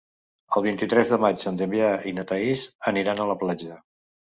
El vint-i-tres de maig en Damià i na Thaís aniran a la platja.